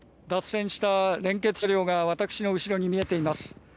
脱線した連結車両が私の後ろに見えています。